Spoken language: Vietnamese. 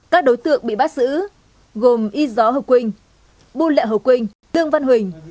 các đối tượng bị bắt giữ gồm y gió hồ quỳnh bùn lẹ hồ quỳnh đương văn huỳnh